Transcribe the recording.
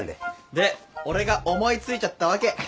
で俺が思いついちゃったわけ。